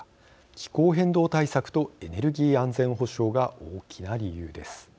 気候変動対策とエネルギー安全保障が大きな理由です。